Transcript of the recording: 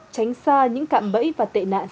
tránh xa những cạm bẫy và tệ nạn